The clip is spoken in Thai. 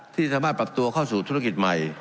ที่สามารถปรับตัวเข้าสู่ธุรกิจใหม่